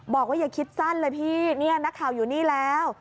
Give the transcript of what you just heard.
อย่าคิดสั้นเลยพี่เนี่ยนักข่าวอยู่นี่แล้ว